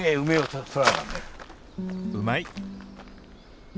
うまい！